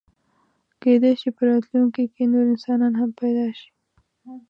کېدی شي په راتلونکي کې نور انسانان هم پیدا شي.